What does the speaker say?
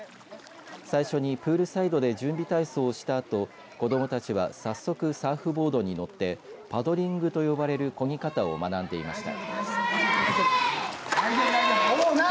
最初にプールサイドで準備体操をしたあと子どもたちは、早速サーフボードに乗ってパドリングと呼ばれるこぎ方を学んでいました。